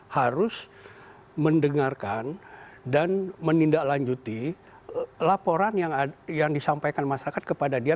harus mendengarkan dan menindaklanjuti laporan yang disampaikan masyarakat kepada dia